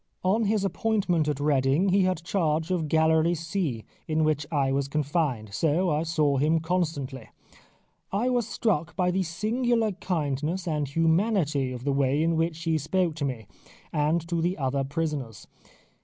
On his appointment at Reading he had charge of Gallery C, in which I was confined, so I saw him constantly. I was struck by the singular kindness and humanity of the way in which he spoke to me and to the other prisoners.